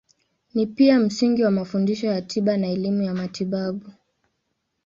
Ni pia msingi wa mafundisho ya tiba na elimu ya matibabu.